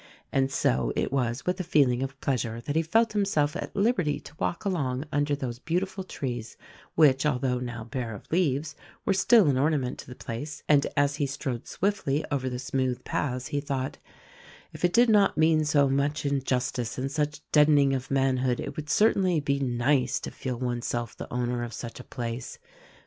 And so it was with a feeling of pleasure that he felt himself at liberty to walk along under those beautiful trees, which although now bare of leaves were still an ornament to the place; and as he strode swiftly over the smooth paths he thought, "If it did not mean so much injustice and such deadening of manhood it would certainly be nice to feel oneself the owner of such a place.